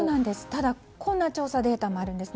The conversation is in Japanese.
ただ、こんな調査データもあるんです。